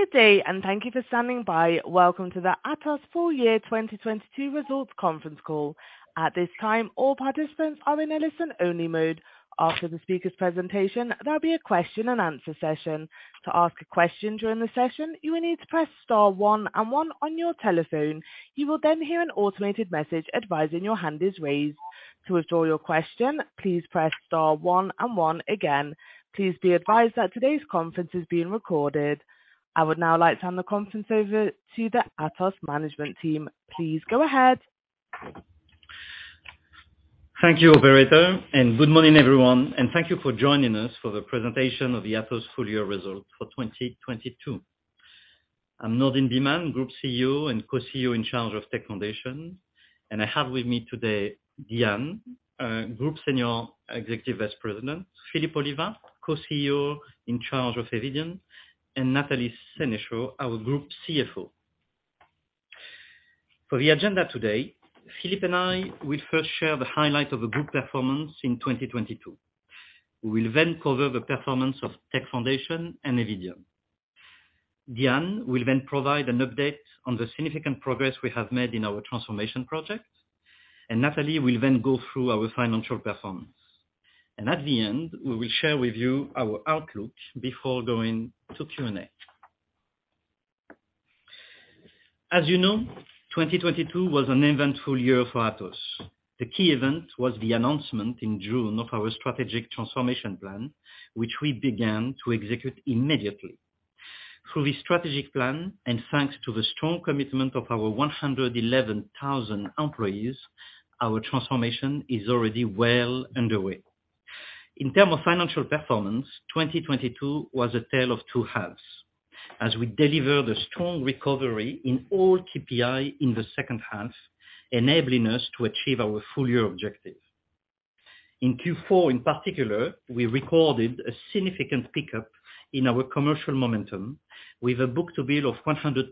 Good day, thank you for standing by. Welcome to the Atos Full Year 2022 Results Conference Call. At this time, all participants are in a listen only mode. After the speaker's presentation, there'll be a question and answer session. To ask a question during the session, you will need to press star one and one on your telephone. You will then hear an automated message advising your hand is raised. To withdraw your question, please press star one and one again. Please be advised that today's conference is being recorded. I would now like to hand the conference over to the Atos management team. Please go ahead. Thank you, operator. Good morning, everyone, and thank you for joining us for the presentation of the Atos full year results for 2022. I'm Nourdine Bihmane, Group CEO and Co-CEO in charge of Tech Foundations. I have with me today, Diane Galbe, Group Senior Executive Vice President, Philippe Oliva, Co-CEO in charge of Eviden, and Nathalie Senechault, our Group CFO. For the agenda today, Philippe and I will first share the highlight of the group performance in 2022. We will then cover the performance of Tech Foundations and Eviden. Diane Galbe will then provide an update on the significant progress we have made in our transformation project. Nathalie Senechault will then go through our financial performance. At the end, we will share with you our outlook before going to Q&A. As you know, 2022 was an eventful year for Atos. The key event was the announcement in June of our strategic transformation plan, which we began to execute immediately. Through this strategic plan, thanks to the strong commitment of our 111,000 employees, our transformation is already well underway. In terms of financial performance, 2022 was a tale of two halves, as we delivered a strong recovery in all KPI in the second half, enabling us to achieve our full year objective. In Q4, in particular, we recorded a significant pickup in our commercial momentum with a book-to-bill of 112%.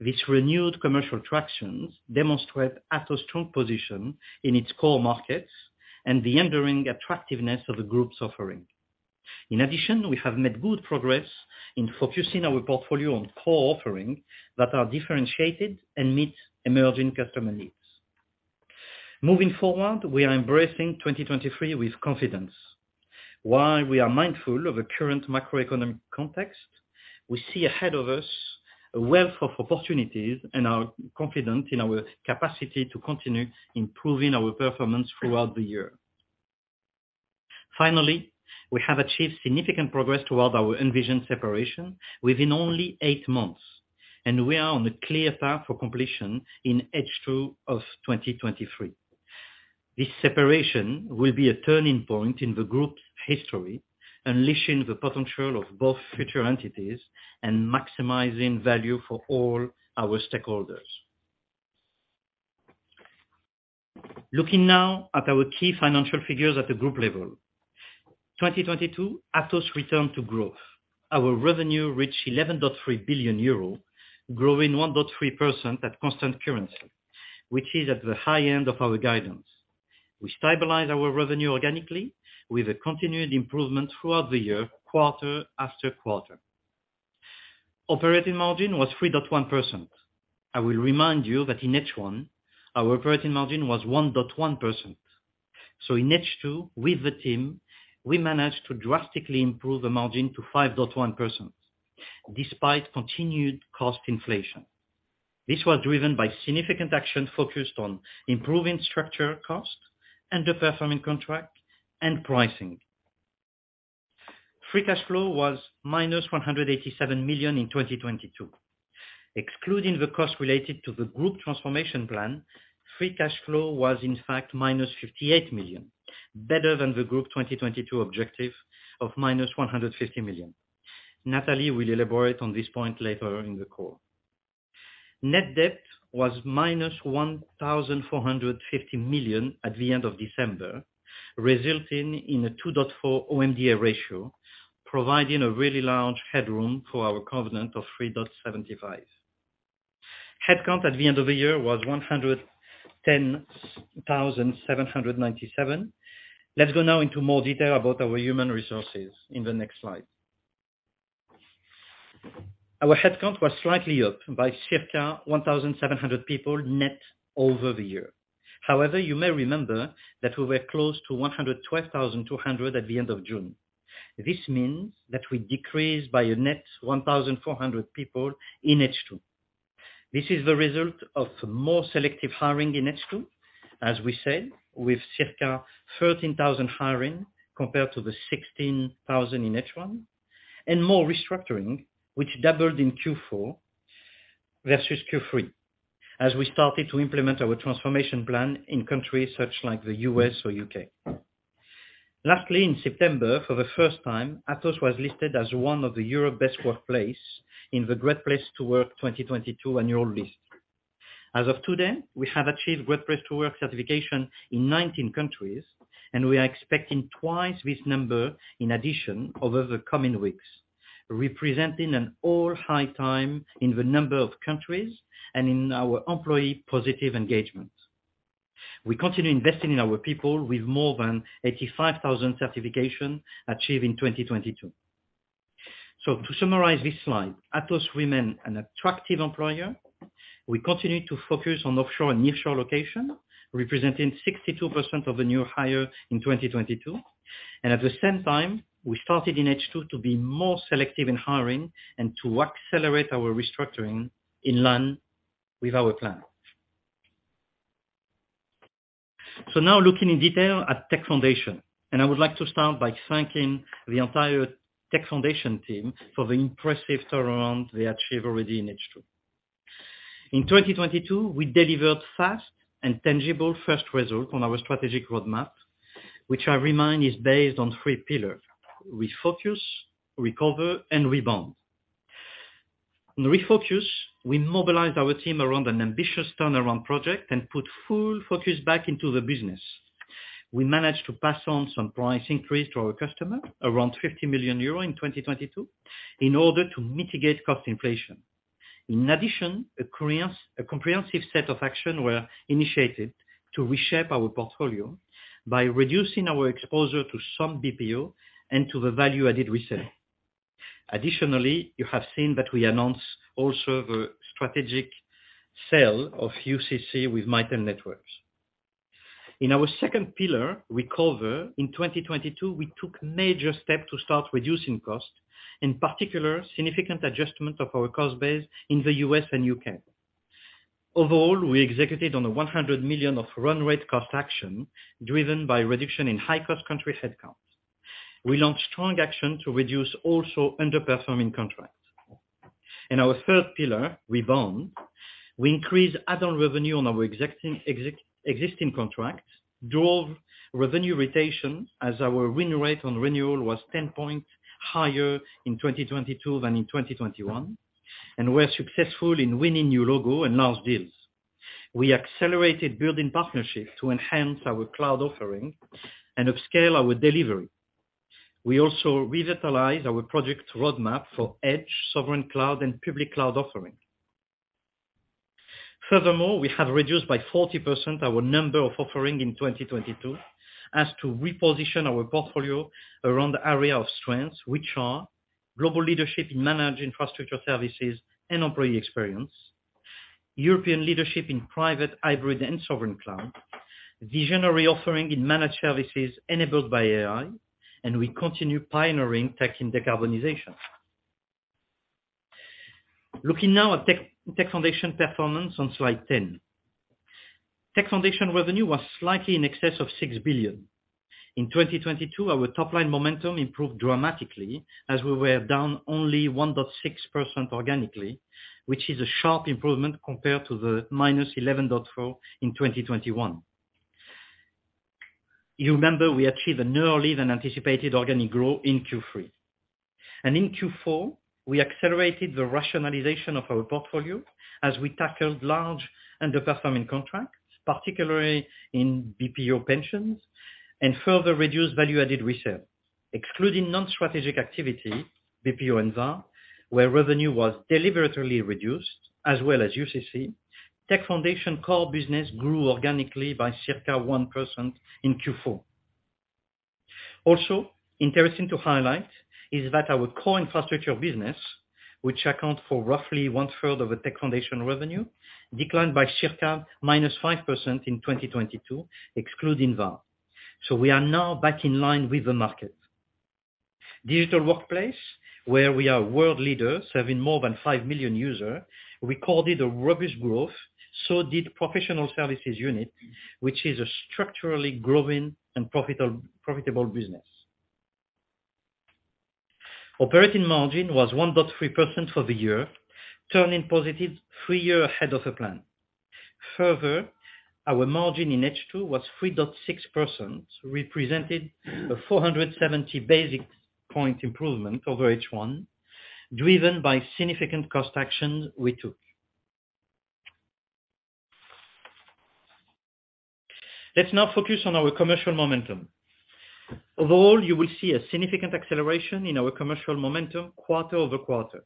This renewed commercial tractions demonstrate Atos' strong position in its core markets and the enduring attractiveness of the group's offering. We have made good progress in focusing our portfolio on core offering that are differentiated and meet emerging customer needs. Moving forward, we are embracing 2023 with confidence. While we are mindful of the current macroeconomic context, we see ahead of us a wealth of opportunities and are confident in our capacity to continue improving our performance throughout the year. Finally, we have achieved significant progress towards our envisioned separation within only eight months, and we are on the clear path for completion in H2 of 2023. This separation will be a turning point in the group's history, unleashing the potential of both future entities and maximizing value for all our stakeholders. Looking now at our key financial figures at the group level. 2022, Atos returned to growth. Our revenue reached 11.3 billion euro, growing 1.3% at constant currency, which is at the high end of our guidance. We stabilized our revenue organically with a continued improvement throughout the year, quarter after quarter. Operating margin was 3.1%. I will remind you that in H1, our operating margin was 1.1%. In H2, with the team, we managed to drastically improve the margin to 5.1% despite continued cost inflation. This was driven by significant action focused on improving structure costs, underperforming contract and pricing. Free cash flow was -187 million in 2022. Excluding the cost related to the group transformation plan, free cash flow was in fact -58 million, better than the group 2022 objective of -150 million. Nathalie will elaborate on this point later in the call. Net debt was -1,450 million at the end of December, resulting in a 2.4 OMDA ratio, providing a really large headroom for our covenant of 3.75. Headcount at the end of the year was 110,797. Let's go now into more detail about our human resources in the next slide. Our headcount was slightly up by circa 1,700 people net over the year. However, you may remember that we were close to 112,200 at the end of June. This means that we decreased by a net 1,400 people in H2. This is the result of more selective hiring in H2, as we said, with circa 13,000 hiring compared to the 16,000 in H1, and more restructuring, which doubled in Q4 versus Q3, as we started to implement our transformation plan in countries such like the U.S. or U.K. In September, for the first time, Atos was listed as one of the Europe Best Workplace in the Great Place to Work 2022 annual list. As of today, we have achieved Great Place to Work certification in 19 countries. We are expecting twice this number in addition over the coming weeks, representing an all-high time in the number of countries and in our employee positive engagement. We continue investing in our people with more than 85,000 certification achieved in 2022. To summarize this slide, Atos remain an attractive employer. We continue to focus on offshore and nearshore location, representing 62% of the new hire in 2022. At the same time, we started in H2 to be more selective in hiring and to accelerate our restructuring in line with our plan. Now looking in detail at Tech Foundations, I would like to start by thanking the entire Tech Foundations team for the impressive turnaround they achieved already in H2. In 2022, we delivered fast and tangible first result on our strategic roadmap, which I remind is based on three pillars: refocus, recover, and rebound. On refocus, we mobilized our team around an ambitious turnaround project and put full focus back into the business. We managed to pass on some price increase to our customer, around 50 million euro in 2022, in order to mitigate cost inflation. In addition, a comprehensive set of action were initiated to reshape our portfolio by reducing our exposure to some BPO and to the value added resale. Additionally, you have seen that we announced also the strategic sale of UCC with Mitel Networks. In our second pillar, Recover, in 2022, we took major step to start reducing cost, in particular, significant adjustment of our cost base in the U.S. and U.K. Overall, we executed on a 100 million of run rate cost action driven by reduction in high cost country headcounts. We launched strong action to reduce also underperforming contracts. In our third pillar, Rebound, we increased add-on revenue on our existing contracts, drove revenue retention as our win rate on renewal was 10 point higher in 2022 than in 2021, and we're successful in winning new logo and large deals. We accelerated building partnerships to enhance our cloud offering and upscale our delivery. We also revitalize our project roadmap for Edge, sovereign cloud, and public cloud offering. We have reduced by 40% our number of offering in 2022 as to reposition our portfolio around the area of strengths, which are global leadership in managed infrastructure services and employee experience, European leadership in private, hybrid, and sovereign cloud, visionary offering in managed services enabled by AI, we continue pioneering tech in decarbonization. Looking now at Tech Foundations performance on slide 10. Tech Foundations revenue was slightly in excess of 6 billion. In 2022, our top line momentum improved dramatically as we were down only 1.6% organically, which is a sharp improvement compared to the -11.4% in 2021. You remember we achieved an early than anticipated organic growth in Q3. In Q4, we accelerated the rationalization of our portfolio as we tackled large underperforming contracts, particularly in BPO pensions, and further reduced value-added resale. Excluding non-strategic activity, BPO and VAR, where revenue was deliberately reduced, as well as UCC, Tech Foundations core business grew organically by circa 1% in Q4. Interesting to highlight is that our core infrastructure business, which accounts for roughly 1/3 of the Tech Foundations revenue, declined by circa -5% in 2022, excluding VAR. We are now back in line with the market. Digital workplace, where we are world leaders, having more than 5 million users, recorded a robust growth, so did professional services unit, which is a structurally growing and profitable business. Operating margin was 1.3% for the year, turning positive three years ahead of the plan. Our margin in H2 was 3.6%, represented a 470 basis point improvement over H1, driven by significant cost actions we took. Let's now focus on our commercial momentum. Overall, you will see a significant acceleration in our commercial momentum quarter-over-quarter.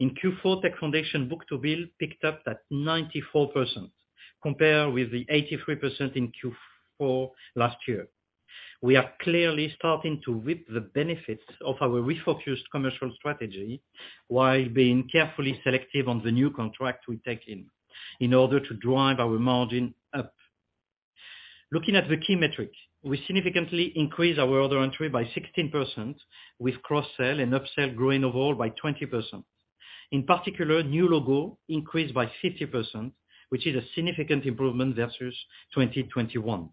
In Q4, Tech Foundations book-to-bill picked up at 94% compared with the 83% in Q4 last year. We are clearly starting to reap the benefits of our refocused commercial strategy while being carefully selective on the new contract we take in order to drive our margin up. Looking at the key metrics, we significantly increased our order entry by 16% with cross-sell and upsell growing overall by 20%. In particular, new logo increased by 50%, which is a significant improvement versus 2021.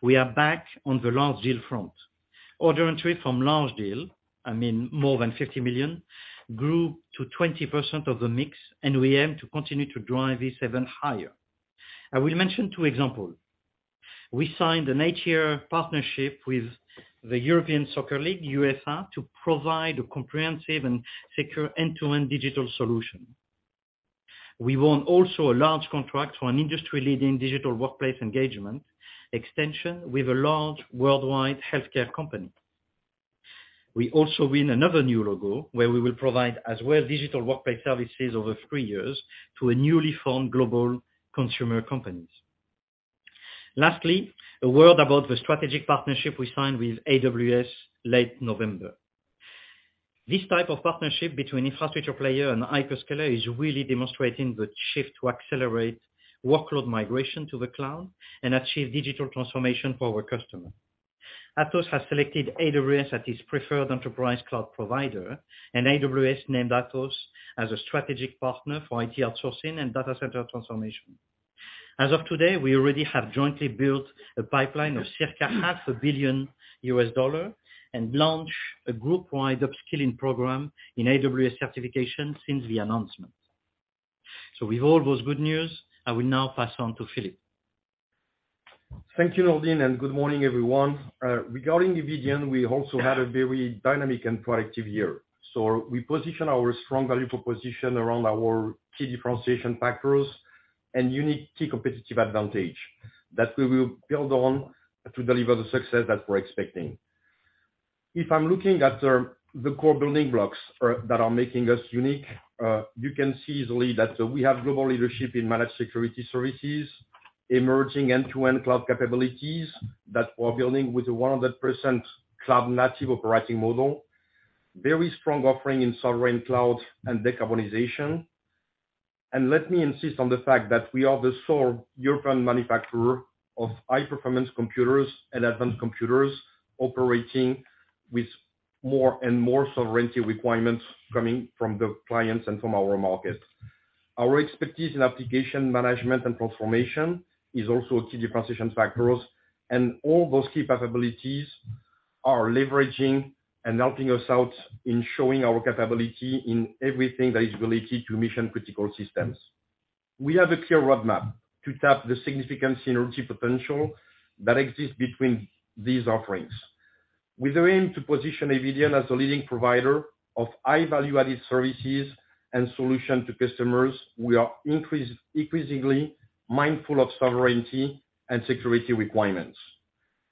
We are back on the large deal front. Order entry from large deal, I mean more than 50 million, grew to 20% of the mix, and we aim to continue to drive this even higher. I will mention two example. We signed an eight year partnership with the European Soccer League, USA, to provide a comprehensive and secure end-to-end digital solution. We won also a large contract for an industry-leading digital workplace engagement extension with a large worldwide healthcare company. We also win another new logo where we will provide as well digital workplace services over three years to a newly formed global consumer companies. Lastly, a word about the strategic partnership we signed with AWS late November. This type of partnership between infrastructure player and hyperscaler is really demonstrating the shift to accelerate workload migration to the cloud and achieve digital transformation for our customer. Atos has selected AWS as its preferred enterprise cloud provider, and AWS named Atos as a strategic partner for IT outsourcing and data center transformation. As of today, we already have jointly built a pipeline of circa $500 million and launch a group-wide upskilling program in AWS certification since the announcement. With all those good news, I will now pass on to Philippe. Thank you, Nourdine, and good morning, everyone. Regarding Eviden, we also had a very dynamic and productive year. We position our strong value proposition around our key differentiation factors and unique key competitive advantage that we will build on to deliver the success that we're expecting. If I'm looking at the core building blocks that are making us unique, you can see easily that we have global leadership in managed security services, emerging end-to-end cloud capabilities that we're building with 100% cloud-native operating model, very strong offering in sovereign cloud and decarbonization. Let me insist on the fact that we are the sole European manufacturer of high-performance computers and advanced computers operating with more and more sovereignty requirements coming from the clients and from our markets. Our expertise in application management and transformation is also key differentiation factors. All those key capabilities are leveraging and helping us out in showing our capability in everything that is related to mission-critical systems. We have a clear roadmap to tap the significant synergy potential that exists between these offerings. With the aim to position Eviden as a leading provider of high value-added services and solution to customers, we are increasingly mindful of sovereignty and security requirements.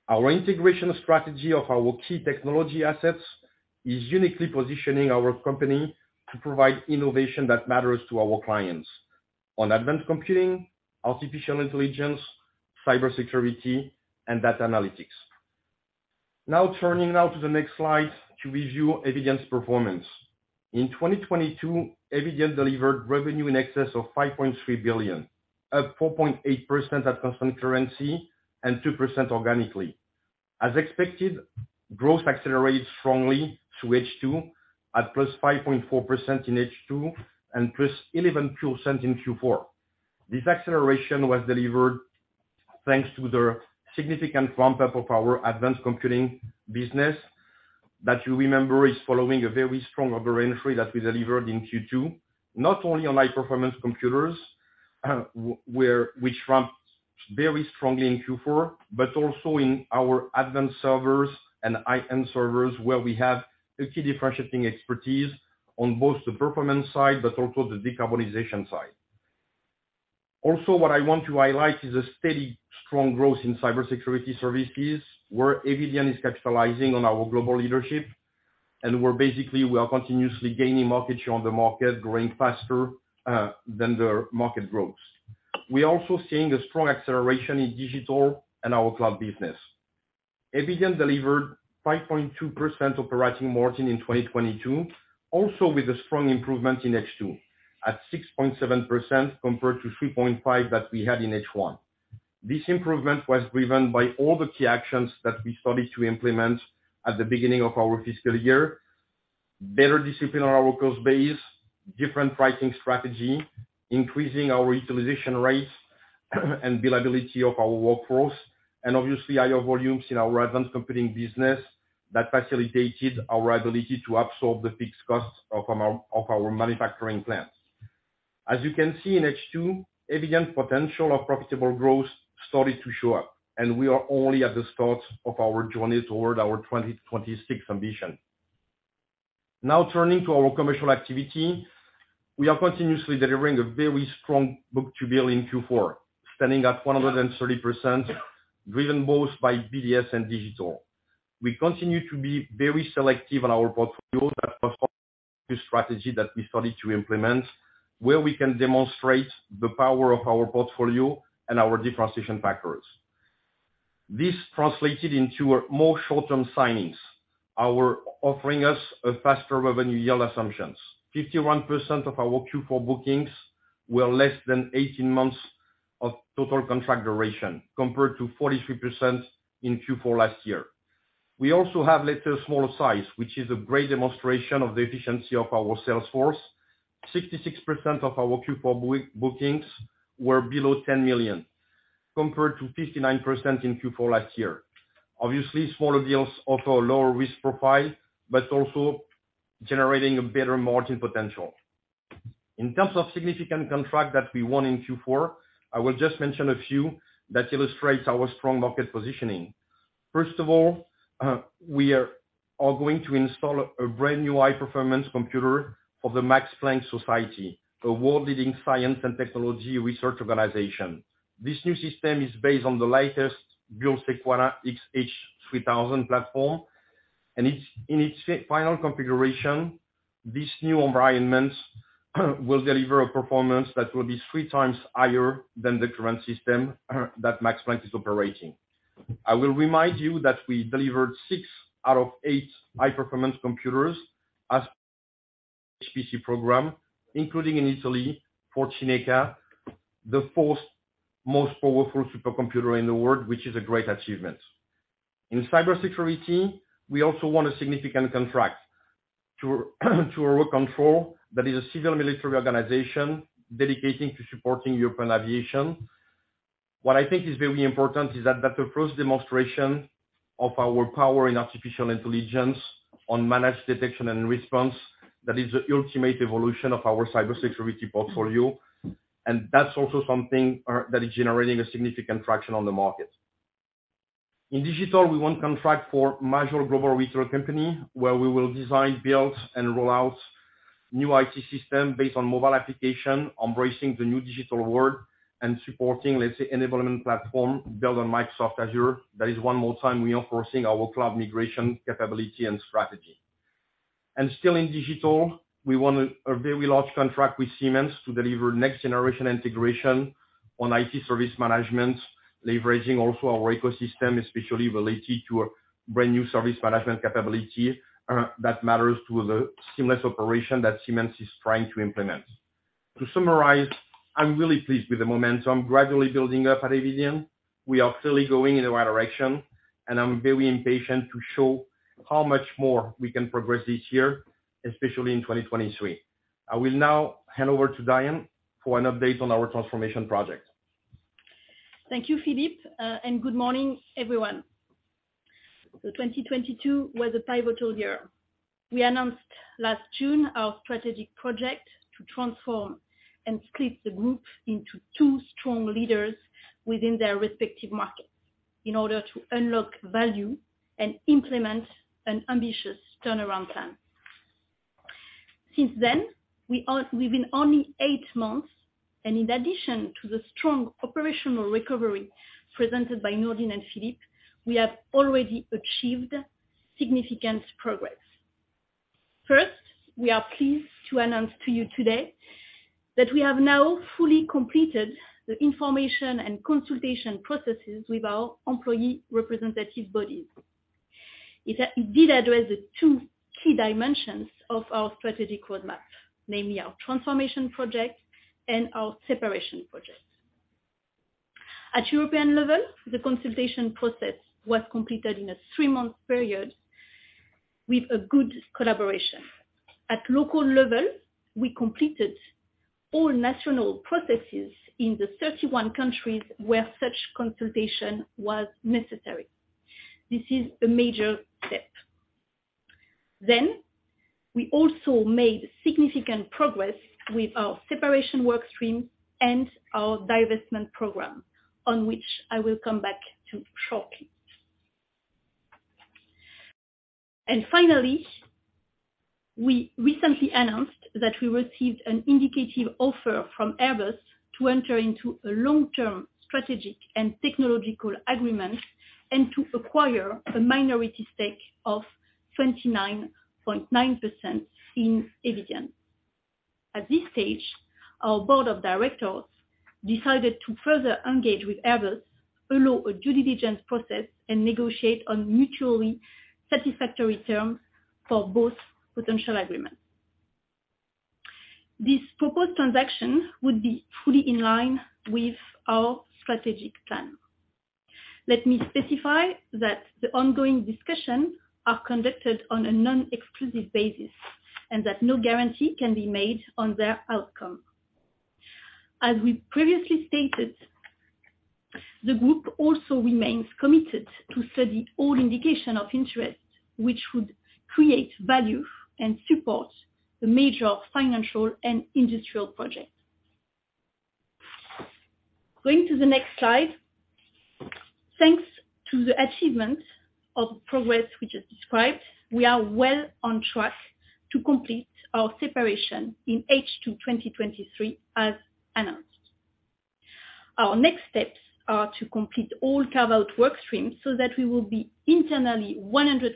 Our integration strategy of our key technology assets is uniquely positioning our company to provide innovation that matters to our clients on advanced computing, artificial intelligence, cybersecurity, and data analytics. Turning now to the next slide to review Eviden's performance. In 2022, Eviden delivered revenue in excess of 5.3 billion, up 4.8% at constant currency and 2% organically. As expected, growth accelerated strongly through H2 at +5.4% in H2 and +11.2% in Q4. This acceleration was delivered thanks to the significant ramp-up of our advanced computing business that you remember is following a very strong order entry that we delivered in Q2, not only on high-performance computers, where we ramped very strongly in Q4, but also in our advanced servers and IM servers, where we have a key differentiating expertise on both the performance side but also the decarbonization side. What I want to highlight is a steady strong growth in cybersecurity services, where Eviden is capitalizing on our global leadership. We're basically, we are continuously gaining market share on the market, growing faster than the market grows. We're also seeing a strong acceleration in digital and our cloud business. Eviden delivered 5.2% operating margin in 2022, also with a strong improvement in H2 at 6.7% compared to 3.5% that we had in H1. This improvement was driven by all the key actions that we started to implement at the beginning of our fiscal year, better discipline on our cost base, different pricing strategy, increasing our utilization rates, and billability of our workforce, obviously higher volumes in our advanced computing business that facilitated our ability to absorb the fixed costs of our manufacturing plants. As you can see in H2, Eviden's potential of profitable growth started to show up. We are only at the start of our journey toward our 2026 ambition. Now turning to our commercial activity. We are continuously delivering a very strong book-to-bill in Q4, standing at 130%, driven both by BDS and digital. We continue to be very selective on our portfolio that performs the strategy that we started to implement, where we can demonstrate the power of our portfolio and our differentiation factors. This translated into a more short-term signings, offering us a faster revenue yield assumptions. 51% of our Q4 bookings were less than 18 months of total contract duration, compared to 43% in Q4 last year. We also have lesser smaller size, which is a great demonstration of the efficiency of our sales force. 66% of our Q4 bookings were below 10 million, compared to 59% in Q4 last year. Obviously, smaller deals offer a lower risk profile, but also generating a better margin potential. In terms of significant contract that we won in Q4, I will just mention a few that illustrates our strong market positioning. First of all, we are all going to install a brand-new high-performance computer for the Max Planck Society, a world-leading science and technology research organization. This new system is based on the latest BullSequana XH3000 platform, and it's in its final configuration. This new environment will deliver a performance that will be three times higher than the current system that Max Planck is operating. I will remind you that we delivered six out of eight high-performance computers as HPC program, including in Italy for Cineca, the fourth most powerful supercomputer in the world, which is a great achievement. In cybersecurity, we also won a significant contract to Eurocontrol that is a civil military organization dedicating to supporting European aviation. What I think is very important is that approach demonstration of our power in artificial intelligence on Managed Detection and Response, that is the ultimate evolution of our cybersecurity portfolio. That's also something that is generating a significant traction on the market. In digital, we won contract for major global retail company, where we will design, build, and roll out new IT system based on mobile application, embracing the new digital world and supporting, let's say, enablement platform built on Microsoft Azure. That is one more time reinforcing our cloud migration capability and strategy. Still in digital, we won a very large contract with Siemens to deliver next generation integration on IT service management, leveraging also our ecosystem, especially related to a brand-new service management capability that matters to the seamless operation that Siemens is trying to implement. To summarize, I'm really pleased with the momentum gradually building up at Eviden. I'm very impatient to show how much more we can progress this year, especially in 2023. I will now hand over to Diane for an update on our transformation project. Thank you, Philippe, and good morning, everyone. 2022 was a pivotal year. We announced last June our strategic project to transform and split the group into two strong leaders within their respective markets in order to unlock value and implement an ambitious turnaround plan. Since then, we've been only eight months, and in addition to the strong operational recovery presented by Nourdine and Philippe, we have already achieved significant progress. First, we are pleased to announce to you today that we have now fully completed the information and consultation processes with our employee representative bodies. It did address the two key dimensions of our strategic roadmap, namely our transformation project and our separation project. At European level, the consultation process was completed in a three month period with a good collaboration. At local level, we completed all national processes in the 31 countries where such consultation was necessary. This is a major step. We also made significant progress with our separation work stream and our divestment program, on which I will come back to shortly. Finally, we recently announced that we received an indicative offer from Airbus to enter into a long-term strategic and technological agreement and to acquire a minority stake of 29.9% in Eviden. At this stage, our board of directors decided to further engage with Airbus below a due diligence process and negotiate on mutually satisfactory terms for both potential agreements. This proposed transaction would be fully in line with our strategic plan. Let me specify that the ongoing discussions are conducted on a non-exclusive basis, and that no guarantee can be made on their outcome. As we previously stated, the group also remains committed to study all indication of interest which would create value and support the major financial and industrial projects. Going to the next slide. Thanks to the achievement of progress we just described, we are well on track to complete our separation in H2 2023, as announced. Our next steps are to complete all carve-out workstream so that we will be internally 100%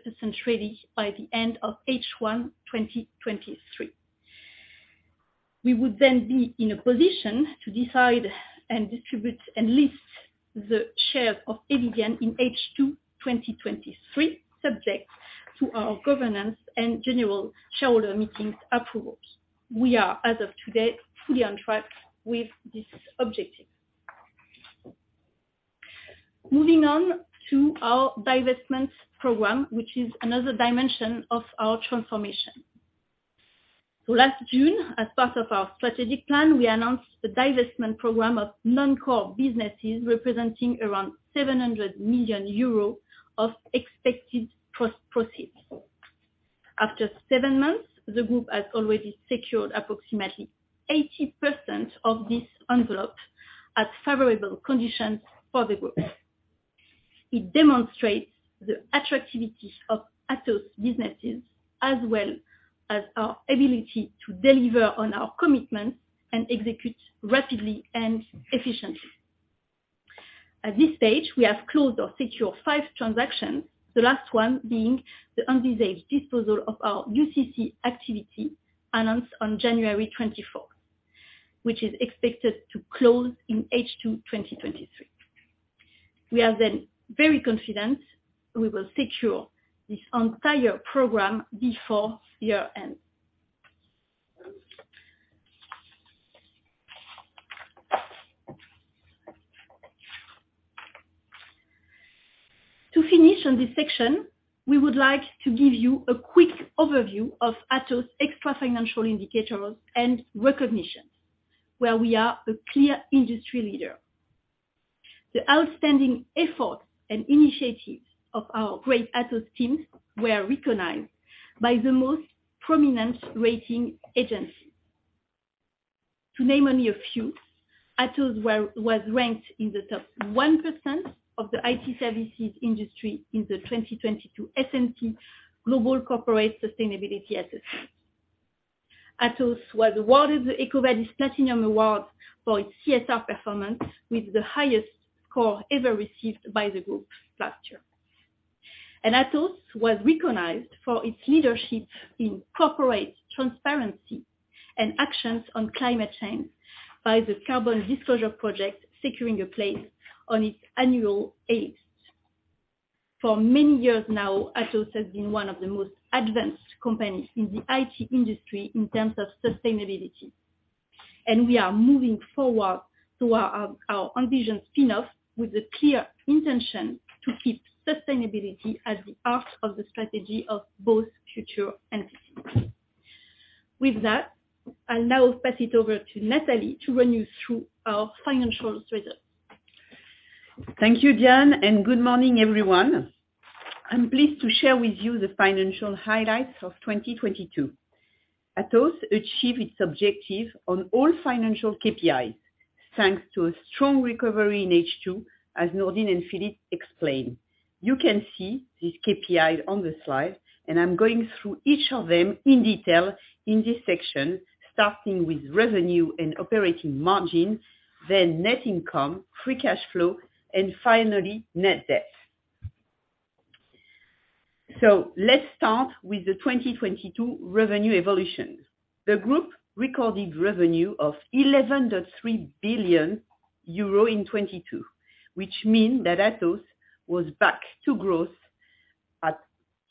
ready by the end of H1 2023. We would then be in a position to decide and distribute and list the shares of Eviden in H2 2023, subject to our governance and general shareholder meetings approvals. We are, as of today, fully on track with this objective. Moving on to our divestment program, which is another dimension of our transformation. Last June, as part of our strategic plan, we announced a divestment program of non-core businesses representing around 700 million euros of expected pro-proceeds. After seven months, the group has already secured approximately 80% of this envelope at favorable conditions for the group. It demonstrates the attractivity of Atos businesses as well as our ability to deliver on our commitments and execute rapidly and efficiently. At this stage, we have closed or secured five transactions, the last one being the envisaged disposal of our Unify activity announced on January 24th, which is expected to close in H2 2023. We are very confident we will secure this entire program before year-end. To finish on this section, we would like to give you a quick overview of Atos extra financial indicators and recognitions, where we are a clear industry leader. The outstanding effort and initiatives of our great Atos teams were recognized by the most prominent rating agency. To name only a few, Atos was ranked in the top 1% of the IT services industry in the 2022 S&P Global Corporate Sustainability Assessment. Atos was awarded the EcoVadis Platinum Award for its CSR performance with the highest score ever received by the group last year. Atos was recognized for its leadership in corporate transparency and actions on climate change by the Carbon Disclosure Project, securing a place on its annual A list. For many years now, Atos has been one of the most advanced companies in the IT industry in terms of sustainability, and we are moving forward to our envisioned spin-off with a clear intention to keep sustainability at the heart of the strategy of both future entities. With that, I'll now pass it over to Nathalie to run you through our financial results. Thank you, Diane. Good morning, everyone. I'm pleased to share with you the financial highlights of 2022. Atos achieved its objective on all financial KPI, thanks to a strong recovery in H2, as Nourdine and Philippe explained. You can see these KPIs on the slide, and I'm going through each of them in detail in this section, starting with revenue and operating margin, then net income, free cash flow, and finally, net debt. Let's start with the 2022 revenue evolution. The group recorded revenue of 11.3 billion euro in 2022, which mean that Atos was back to growth at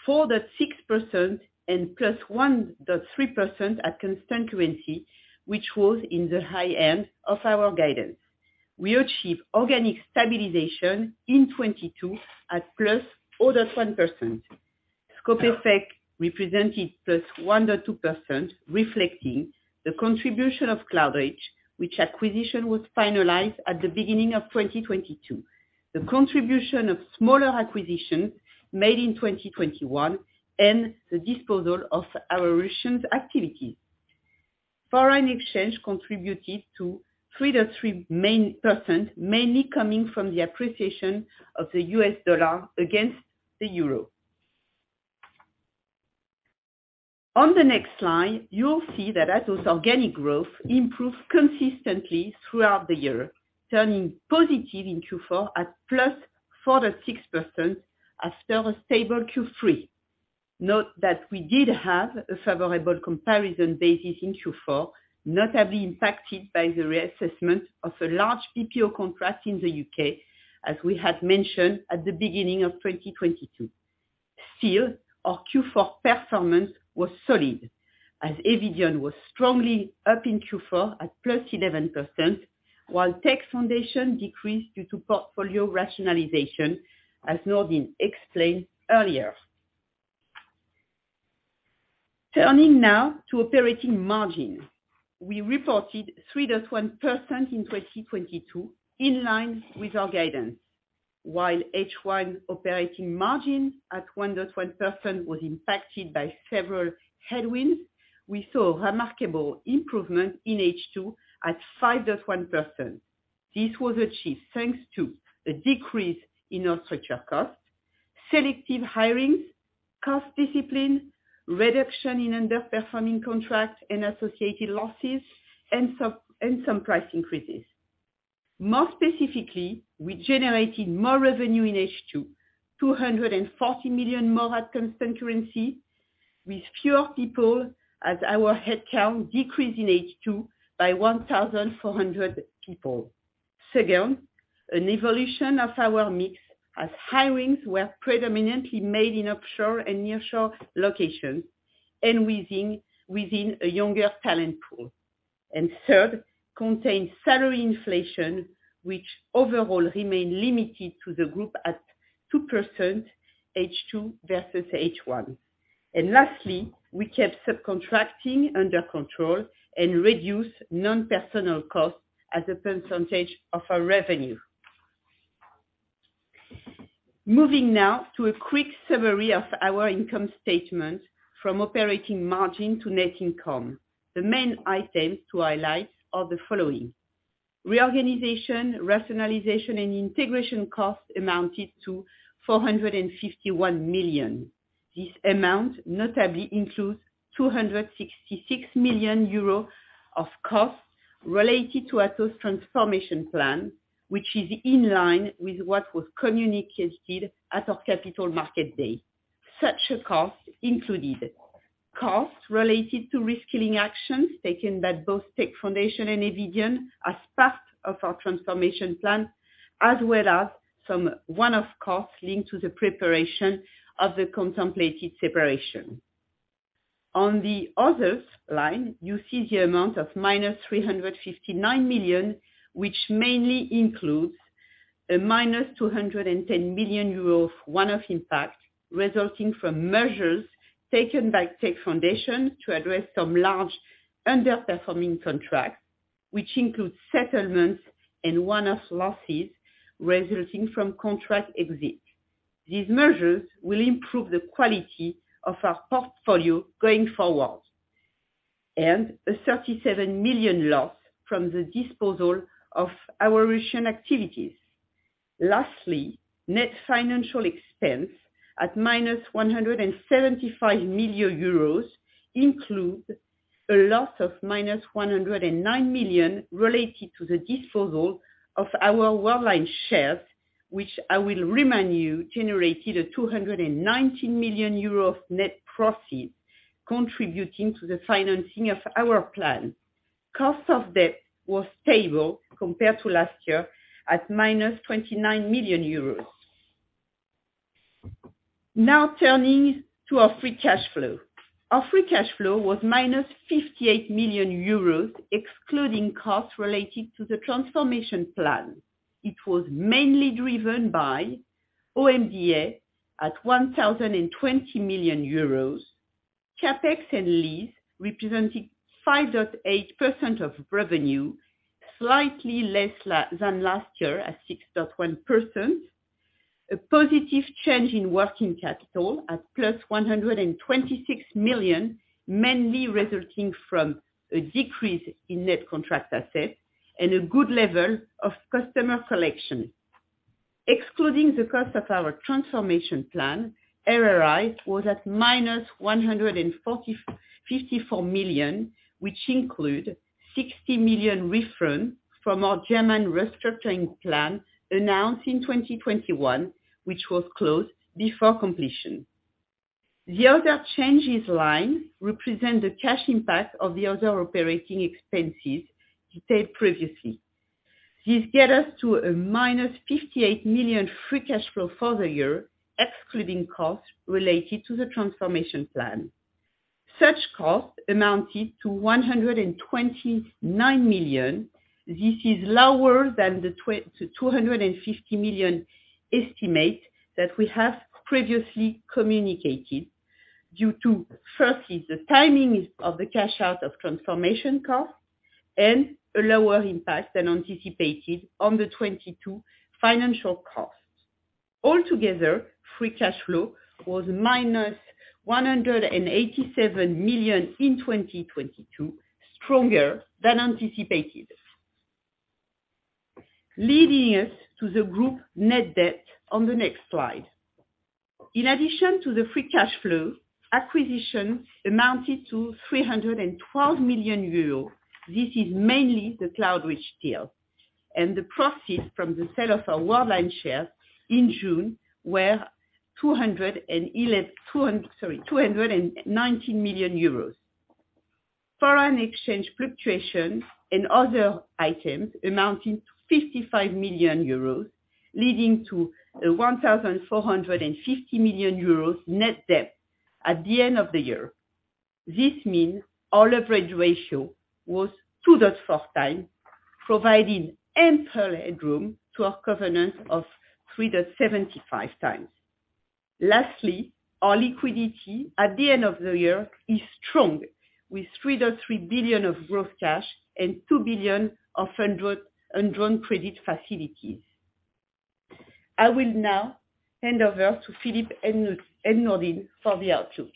4.6% and +1.3% at constant currency, which was in the high end of our guidance. We achieved organic stabilization in 2022 at +0.1%. Scope effect represented +1.2%, reflecting the contribution of Cloudreach, which acquisition was finalized at the beginning of 2022. The contribution of smaller acquisitions made in 2021 and the disposal of our Russians activity. Foreign exchange contributed to 3.3 main percent, mainly coming from the appreciation of the U.S. dollar against the euro. On the next slide, you will see that Atos organic growth improved consistently throughout the year, turning positive in Q4 at +4.6% after a stable Q3. Note that we did have a favorable comparison basis in Q4, notably impacted by the reassessment of a large BPO contract in the U.K., as we had mentioned at the beginning of 2022. Still, our Q4 performance was solid, as Eviden was strongly up in Q4 at +11%, while Tech Foundations decreased due to portfolio rationalization, as Nourdine explained earlier. Turning now to operating margin. We reported 3.1% in 2022, in line with our guidance. While H1 operating margin at 1.1% was impacted by several headwinds, we saw remarkable improvement in H2 at 5.1%. This was achieved thanks to a decrease in our structural costs, selective hirings, cost discipline, reduction in underperforming contracts and associated losses, and some price increases. More specifically, we generated more revenue in H2, 240 million more at constant currency, with fewer people as our headcount decreased in H2 by 1,400 people. Second, an evolution of our mix as hirings were predominantly made in offshore and nearshore locations and within a younger talent pool. Third, contained salary inflation, which overall remained limited to the group at 2% H2 versus H1. Lastly, we kept subcontracting under control and reduced non-personal costs as a percentage of our revenue. Moving now to a quick summary of our income statement from operating margin to net income. The main items to highlight are the following: reorganization, rationalization and integration costs amounted to 451 million. This amount notably includes 266 million euro of costs related to Atos' transformation plan, which is in line with what was communicated at our Capital Markets Day. Such a cost included costs related to reskilling actions taken by both Tech Foundations and Eviden as part of our transformation plan, as well as some one-off costs linked to the preparation of the contemplated separation. On the others line, you see the amount of -359 million, which mainly includes a -210 million euros of one-off impact resulting from measures taken by Tech Foundations to address some large underperforming contracts, which includes settlements and one-off losses resulting from contract exits. These measures will improve the quality of our portfolio going forward. A 37 million loss from the disposal of our Russian activities. Lastly, net financial expense at -175 million euros includes a loss of -109 million related to the disposal of our Worldline shares, which I will remind you, generated 219 million euro of net proceeds, contributing to the financing of our plan. Cost of debt was stable compared to last year, at -29 million euros. Turning to our free cash flow. Our free cash flow was -58 million euros, excluding costs related to the transformation plan. It was mainly driven by OMDA at 1,020 million euros. CapEx and lease represented 5.8% of revenue, slightly less than last year at 6.1%. A positive change in working capital at +126 million, mainly resulting from a decrease in net contract assets and a good level of customer collection. Excluding the cost of our transformation plan, RRI was at -154 million, which include 60 million refund from our German restructuring plan announced in 2021, which was closed before completion. The other changes line represent the cash impact of the other operating expenses detailed previously. This get us to a -58 million free cash flow for the year, excluding costs related to the transformation plan. Such costs amounted to 129 million. This is lower than the 250 million estimate that we have previously communicated due to, firstly, the timing of the cash out of transformation costs and a lower impact than anticipated on the 2022 financial costs. Altogether, free cash flow was -187 million in 2022, stronger than anticipated. Leading us to the group net debt on the next slide. In addition to the free cash flow, acquisition amounted to 312 million euros. This is mainly the Cloudreach deal. The proceeds from the sale of our Worldline shares in June were 219 million euros. Foreign exchange fluctuations and other items amounting to 55 million euros, leading to a 1,450 million euros net debt at the end of the year. This means our leverage ratio was 2.4x, providing ample headroom to our covenant of 3.75x. Lastly, our liquidity at the end of the year is strong, with 3.3 billion of gross cash and 2 billion of undrawn credit facilities. I will now hand over to Philippe and Nourdine for the outlook.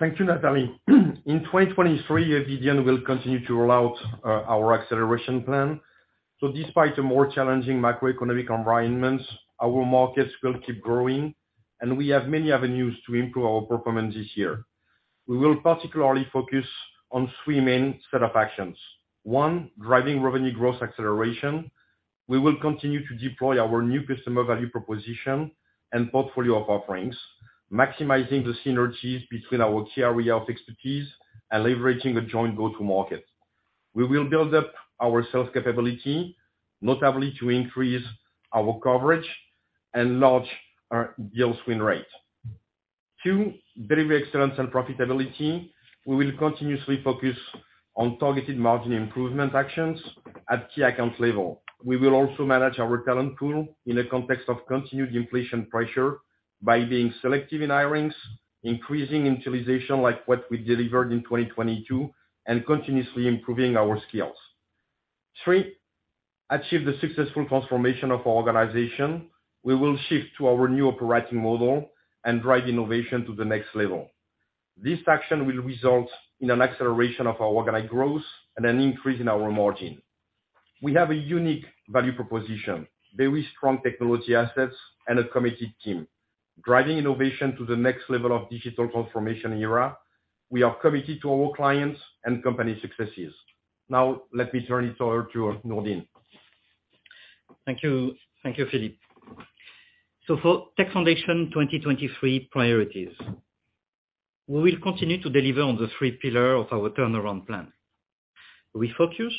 Thank you, Nathalie. In 2023, Eviden will continue to roll out our acceleration plan. Despite a more challenging macroeconomic environment, our markets will keep growing, and we have many avenues to improve our performance this year. We will particularly focus on three main set of actions. One, driving revenue growth acceleration. We will continue to deploy our new customer value proposition and portfolio of offerings, maximizing the synergies between our key area of expertise and leveraging a joint go-to market. We will build up our sales capability, notably to increase our coverage and launch our deal swing rate. Two, delivery excellence and profitability. We will continuously focus on targeted margin improvement actions at key account level. We will also manage our talent pool in a context of continued inflation pressure by being selective in hirings, increasing utilization like what we delivered in 2022, and continuously improving our skills. Three, achieve the successful transformation of our organization. We will shift to our new operating model and drive innovation to the next level. This action will result in an acceleration of our organic growth and an increase in our margin. We have a unique value proposition, very strong technology assets and a committed team, driving innovation to the next level of digital transformation era. We are committed to our clients and company successes. Let me turn it over to Nourdine. Thank you. Thank you, Philippe. For Tech Foundations 2023 priorities, we will continue to deliver on the three pillar of our turnaround plan. Refocus,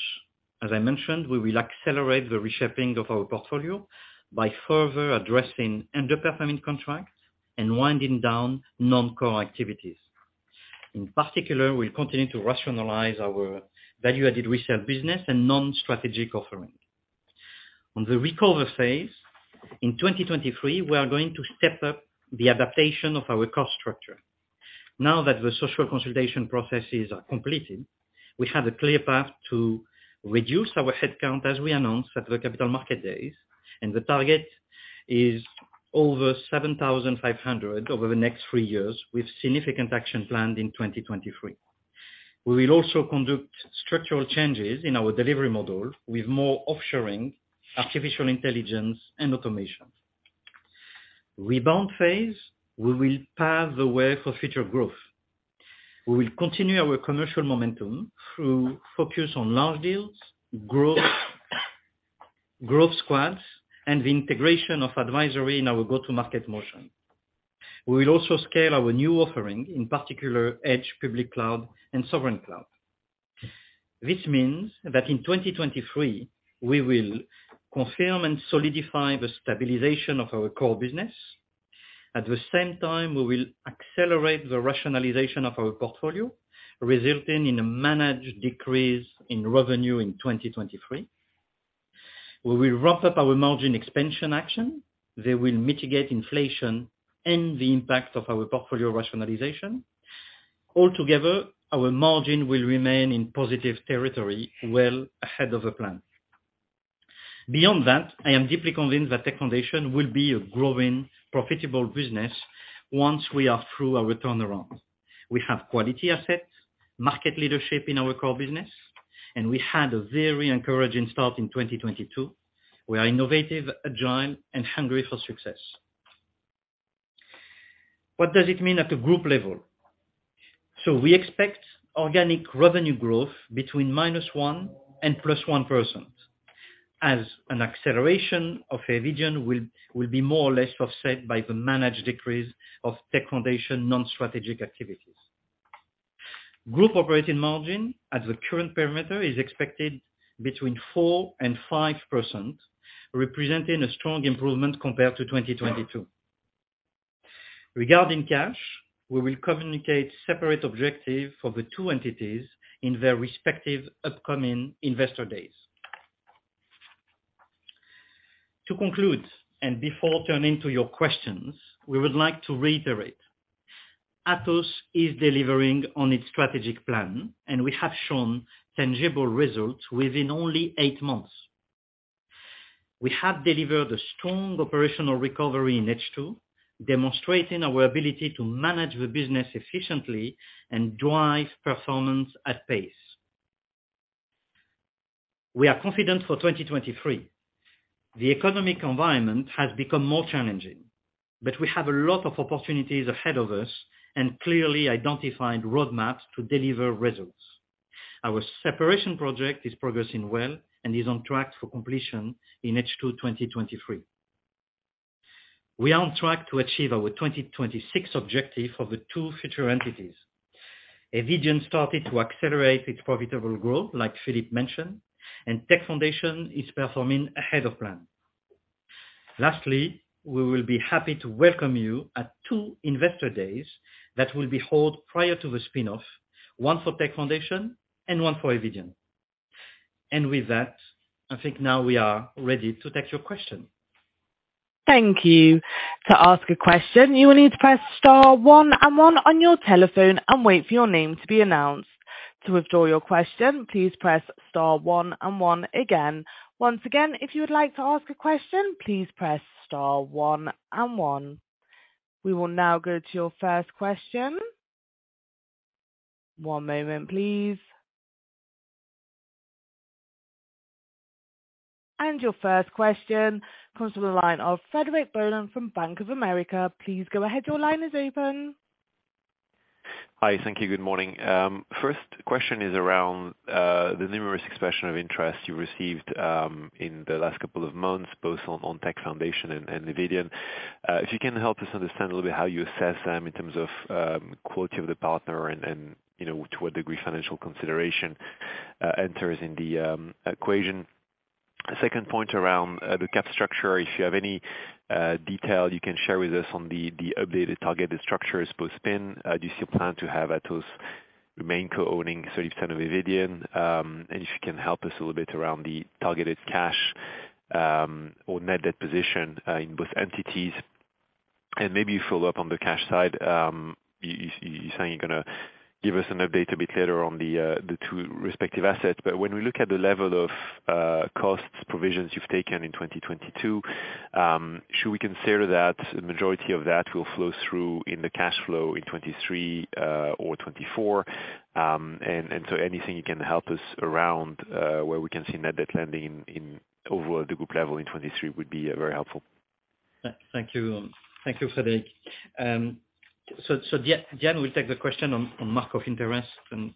as I mentioned, we will accelerate the reshaping of our portfolio by further addressing underperforming contracts and winding down non-core activities. In particular, we'll continue to rationalize our value-added resale business and non-strategic offering. On the recover phase, in 2023, we are going to step up the adaptation of our cost structure. Now that the social consolidation processes are completed, we have a clear path to reduce our headcount as we announced at the Capital Markets Day. The target is over 7,500 over the next three years, with significant action planned in 2023. We will also conduct structural changes in our delivery model with more offshoring, artificial intelligence and automation. Rebound phase, we will pave the way for future growth. We will continue our commercial momentum through focus on large deals, growth squads, and the integration of advisory in our go-to-market motion. We will also scale our new offering, in particular, Edge, public cloud and sovereign cloud. This means that in 2023, we will confirm and solidify the stabilization of our core business. At the same time, we will accelerate the rationalization of our portfolio, resulting in a managed decrease in revenue in 2023. We will wrap up our margin expansion action that will mitigate inflation and the impact of our portfolio rationalization. Altogether, our margin will remain in positive territory well ahead of the plan. Beyond that, I am deeply convinced that Tech Foundations will be a growing, profitable business once we are through our turnaround. We have quality assets, market leadership in our core business, and we had a very encouraging start in 2022. We are innovative, agile, and hungry for success. What does it mean at the group level? We expect organic revenue growth between -1% and +1% as an acceleration of Eviden will be more or less offset by the managed decrease of Tech Foundations non-strategic activities. Group operating margin at the current parameter is expected between 4% and 5%, representing a strong improvement compared to 2022. Regarding cash, we will communicate separate objective for the two entities in their respective upcoming investor days. To conclude, and before turning to your questions, we would like to reiterate, Atos is delivering on its strategic plan, and we have shown tangible results within only eight months. We have delivered a strong operational recovery in H2, demonstrating our ability to manage the business efficiently and drive performance at pace. We are confident for 2023. The economic environment has become more challenging, we have a lot of opportunities ahead of us and clearly identified roadmaps to deliver results. Our separation project is progressing well and is on track for completion in H2 2023. We are on track to achieve our 2026 objective for the two future entities. Eviden started to accelerate its profitable growth, like Philippe mentioned, and Tech Foundations is performing ahead of plan. Lastly, we will be happy to welcome you at two Investor Days that will be held prior to the spin-off, one for Tech Foundations and one for Eviden. With that, I think now we are ready to take your question. Thank you. To ask a question, you will need to press star one and one on your telephone and wait for your name to be announced. To withdraw your question, please press star one and one again. Once again, if you would like to ask a question, please press star one and one. We will now go to your first question. One moment, please. Your first question comes from the line of Frederic Boulan from Bank of America. Please go ahead. Your line is open. Hi. Thank you. Good morning. First question is around the numerous expression of interest you received in the last couple of months, both on Tech Foundations and Eviden. If you can help us understand a little bit how you assess them in terms of quality of the partner and, you know, to what degree financial consideration enters in the equation? Second point around the Cap structure. If you have any detail you can share with us on the updated targeted structures post-spin? Do you still plan to have Atos remain co-owning 30% of Eviden? If you can help us a little bit around the targeted cash or net debt position in both entities. Maybe you saying you're gonna give us an update a bit later on the two respective assets. When we look at the level of costs, provisions you've taken in 2022, should we consider that the majority of that will flow through in the cash flow in 2023 or 2024? Anything you can help us around where we can see net debt landing in overall the group level in 223 would be very helpful. Thank you, thank you, Frederic. Diane will take the question on mark of interest, and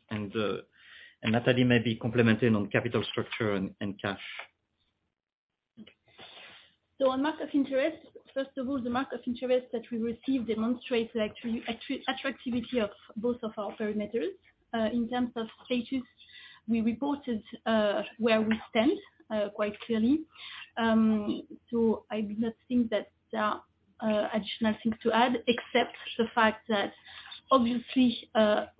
Nathalie may be complimenting on capital structure and cash. On mark of interest, first of all, the mark of interest that we received demonstrates the attractivity of both of our perimeters. In terms of status, we reported where we stand quite clearly. I do not think that there are additional things to add, except the fact that obviously,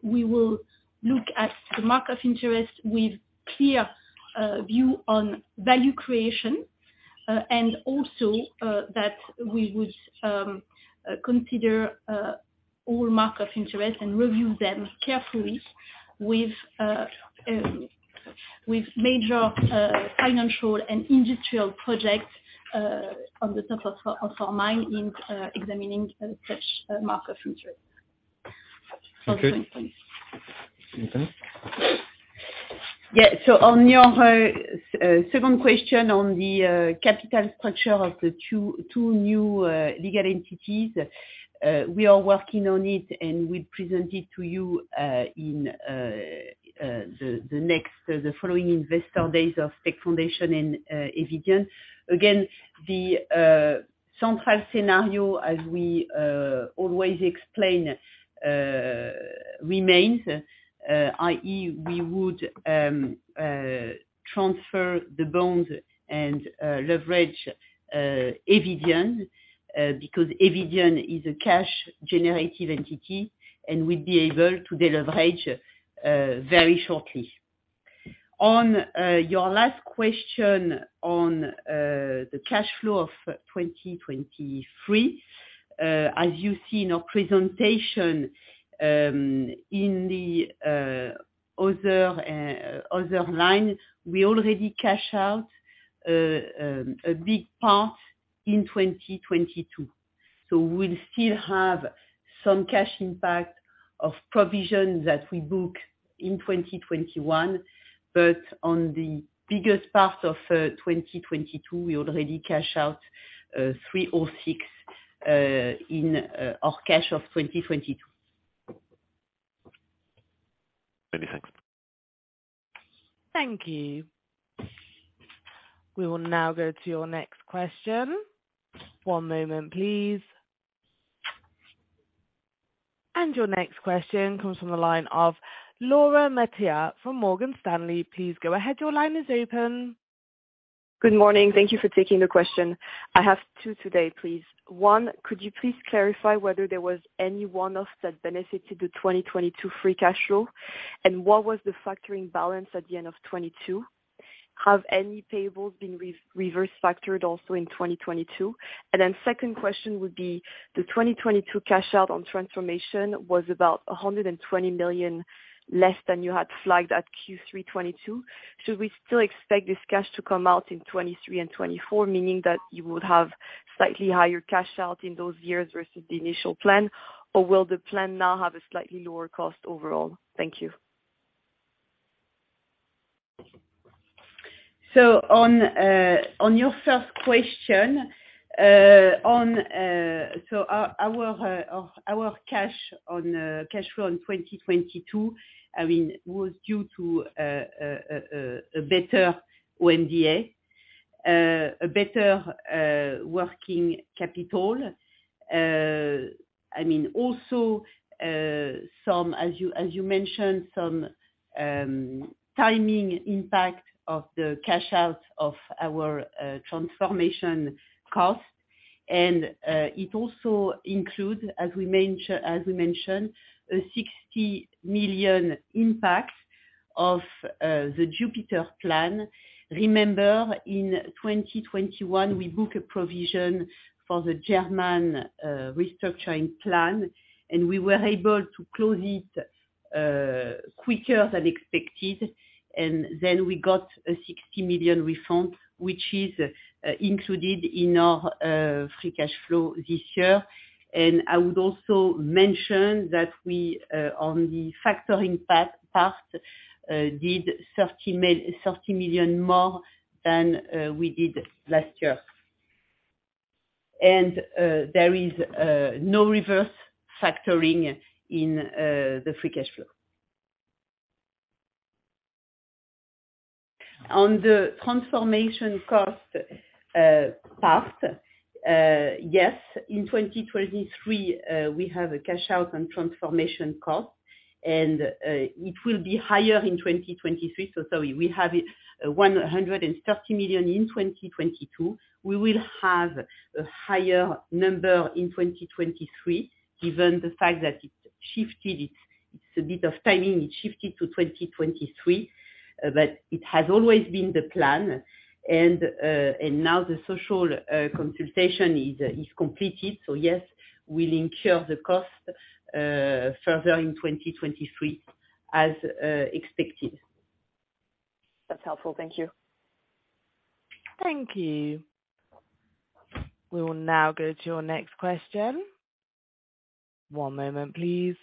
we will look at the mark of interest with clear view on value creation, and also that we would consider all mark of interest and review them carefully with major financial and industrial projects on the top of our mind in examining such mark of interest. Okay. Nathalie? On your second question on the capital structure of the two new legal entities, we are working on it, and we present it to you in the the next the following investor days of Tech Foundations and Eviden. Again, the central scenario, as we always explain, remains i.e., we would transfer the bond and leverage Eviden, because Eviden is a cash generative entity, and we'd be able to de-leverage very shortly. On your last question on the cash flow of 2023, as you see in our presentation, in the other line, we already cash out a big part in 2022. We'll still have some cash impact of provision that we book in 2021, but on the biggest part of 2022, we already cash out 306 in our cash of 2022. Many thanks. Thank you. We will now go to your next question. One moment please. Your next question comes from the line of Laura Metayer from Morgan Stanley. Please go ahead, your line is open. Good morning. Thank you for taking the question. I have two today, please. One, could you please clarify whether there was any one-offs that benefited the 2022 free cash flow? What was the factoring balance at the end of 2022? Have any payables been re-reverse factored also in 2022? Second question would be, the 2022 cash out on transformation was about 120 million less than you had flagged at Q3 2022. Should we still expect this cash to come out in 2023 and 2024, meaning that you would have slightly higher cash out in those years versus the initial plan? Will the plan now have a slightly lower cost overall? Thank you. On your first question, on our cash on cash flow in 2022, I mean, was due to a better OMDA, a better working capital. I mean, also, some, as you mentioned, some timing impact of the cash out of our transformation cost. It also includes, as we mentioned, a 60 million impact of the Jupiter plan. Remember, in 2021, we book a provision for the German restructuring plan, and we were able to close it quicker than expected. Then we got a 60 million refund, which is included in our free cash flow this year. I would also mention that we on the factoring path did 30 million more than we did last year. There is no reverse factoring in the free cash flow. On the transformation cost path, yes, in 2023, we have a cash out on transformation cost, and it will be higher in 2023, so we have 130 million in 2022. We will have a higher number in 2023, given the fact that it shifted. It's a bit of timing. It shifted to 2023. It has always been the plan. Now the social consultation is completed. Yes, we'll incur the cost further in 2023 as expected. That's helpful. Thank you. Thank you. We will now go to your next question. One moment, please.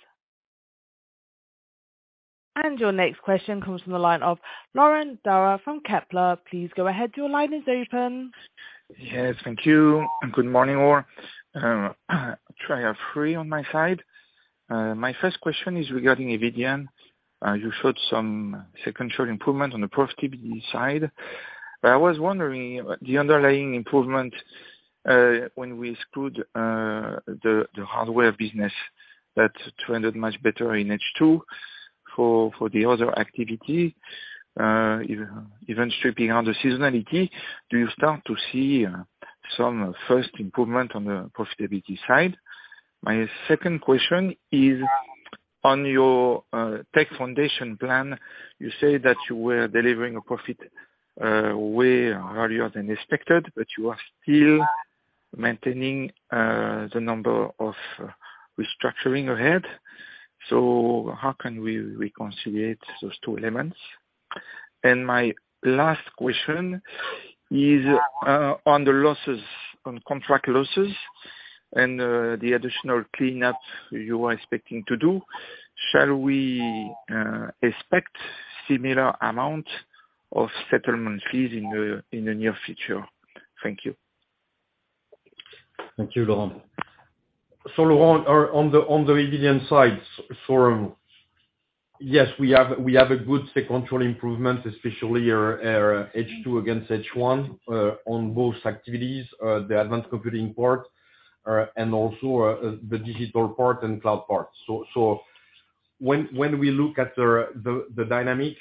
Your next question comes from the line of Laurent Daure from Kepler. Please go ahead. Your line is open. Yes, thank you. Good morning, all. inaudible free on my side. My first question is regarding Eviden. You showed some sequential improvement on the profitability side, but I was wondering the underlying improvement, when we exclude, the hardware business that trended much better in H2 for the other activity, even stripping out the seasonality. Do you start to see, some first improvement on the profitability side? My second question is on your, Tech Foundation plan. You say that you were delivering a profit, way earlier than expected, but you are still maintaining, the number of restructuring ahead. How can we reconcile those two elements? My last question is, on the losses, on contract losses and, the additional cleanup you are expecting to do. Shall we expect similar amount of settlement fees in the near future? Thank you. Thank you, Laurent. Laurent on the Eviden side, for, yes, we have a good sequential improvement, especially your H2 against H1 on both activities, the advanced computing part, and also the digital part and cloud part. When we look at the dynamic,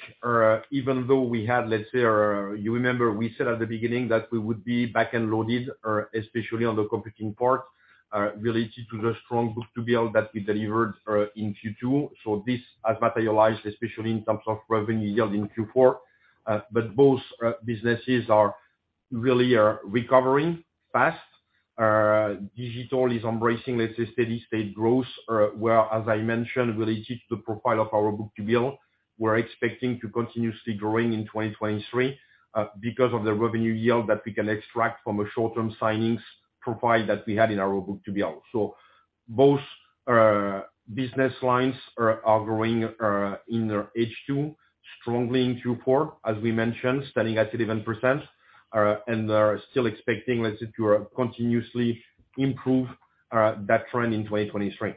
even though we had, let's say, you remember we said at the beginning that we would be back and loaded, especially on the computing part, related to the strong book-to-bill that we delivered in Q2. This has materialized especially in terms of revenue yield in Q4. Both businesses are recovering fast. Digital is embracing, let's say, steady-state growth, where, as I mentioned, related to the profile of our book-to-bill. We're expecting to continuously growing in 2023, because of the revenue yield that we can extract from a short-term signings profile that we had in our book-to-bill. Both business lines are growing in H2, strongly in Q4, as we mentioned, standing at 11%. Are still expecting, let's say, to continuously improve that trend in 2023.